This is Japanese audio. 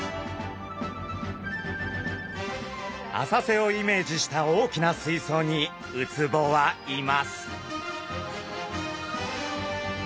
浅瀬をイメージした大きな水槽にウツボはいます。